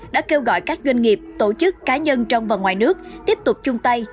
đã kêu gọi các doanh nghiệp tổ chức cá nhân trong và ngoài nước tiếp tục chung tay